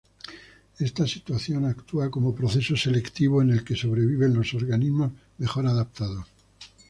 Esta situación actúa como proceso selectivo en el que sobreviven los organismos mejor adaptados.